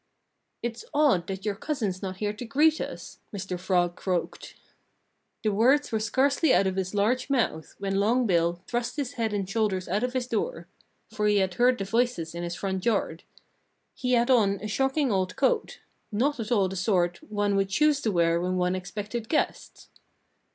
"It's odd that your cousin's not here to greet us," Mr. Frog croaked. The words were scarcely out of his large mouth when Long Bill thrust his head and shoulders out of his door for he had heard the voices in his front yard. He had on a shocking old coat not at all the sort one would choose to wear when one expected guests.